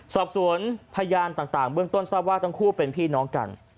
สอบสวนพยานต่างเบื้องต้นทราบว่าทั้งคู่เป็นพี่น้องกัน